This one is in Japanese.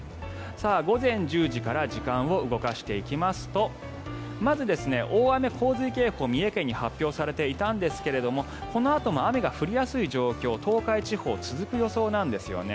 午前１０時から時間を動かしていきますとまず、大雨・洪水警報三重県に発表されていたんですがこのあとも雨が降りやすい状況が東海地方続く予想なんですよね。